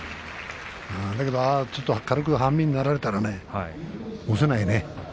だけどちょっと軽く半身になられたら押せないね。